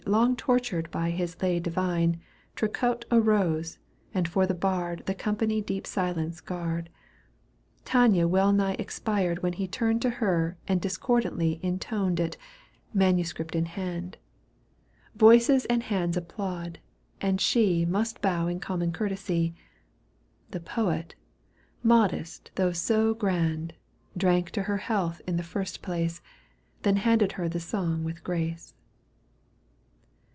Long tortured by his lay divine, Triquet arose, and for the bard The company deep silence guard. Tania well nigh expired when he Turned to her and discordantly Intoned it, manuscript in hand. Digitized by CjOOQ 1С CANTO V. EUGENE ON^GUINE. 147 Voices and hands applaud, and shp Must bow in common courtesy ; The poet, modest though so grand, Drank to her health in the first place, Then handed her the song with grace.